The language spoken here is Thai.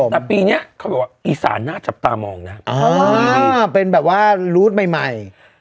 แต่ปีนี้เขาบอกว่าอีสานน่าจับตามองนะเป็นแบบว่ารูดใหม่